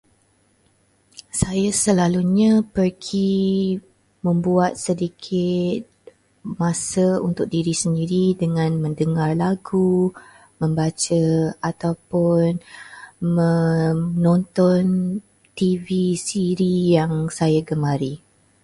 Saya selalunya pergi membuat sedikit masa untuk diri sendiri dengan mendengar lagu, membaca ataupun menonton TV siri yang saya gemari.